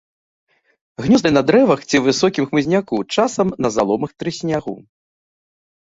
Гнёзды на дрэвах ці высокім хмызняку, часам на заломах трыснягу.